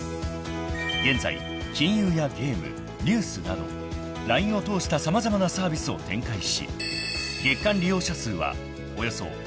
［現在金融やゲームニュースなど「ＬＩＮＥ」を通した様々なサービスを展開し］